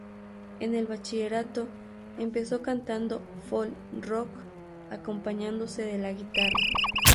En el bachillerato, empezó cantando folk-rock, acompañándose de la guitarra.